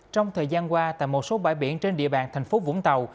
trong thời gian qua tại một số bãi biển trên địa bàn tp vũng tàu